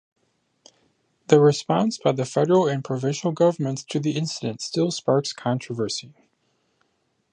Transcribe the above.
The response by the federal and provincial governments to the incident still sparks controversy.